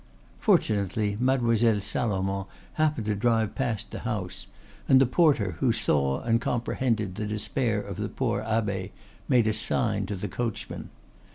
Fortunately Mademoiselle Salomon happened to drive past the house, and the porter, who saw and comprehended the despair of the poor abbe, made a sign to the coachman.